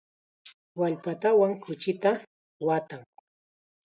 Wallpatawan kuchita waatan.